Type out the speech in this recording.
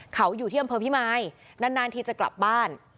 เขาอยู่ที่อำเภอพิมายนานทีจะกลับบ้าน